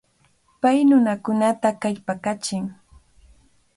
Pay nunakunata kallpakachin.